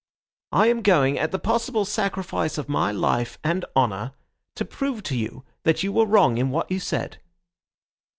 I am going, at the possible sacrifice of my life and honour, to prove to you that you were wrong in what you said."